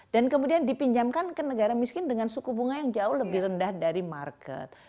dan kemudian dipinjamkan ke negara miskin dengan suku bunga yang jauh lebih rendah dari market